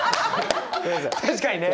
確かにね！